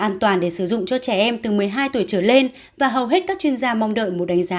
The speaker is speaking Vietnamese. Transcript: an toàn để sử dụng cho trẻ em từ một mươi hai tuổi trở lên và hầu hết các chuyên gia mong đợi một đánh giá